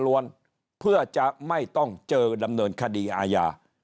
ล้วนเพื่อจะไม่ต้องเจอดำเนินคดีอาญา